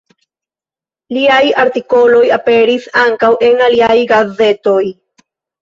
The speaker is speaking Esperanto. Liaj artikoloj aperis ankaŭ en aliaj gazetoj.